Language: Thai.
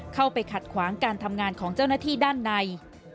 เข้าไปขัดขวางการทำงานของเจ้าหน้าที่ด้านใน